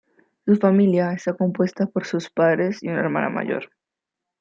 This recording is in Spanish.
Su familia está compuesta por sus padres y una hermana mayor.